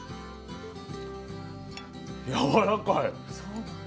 やわらかい。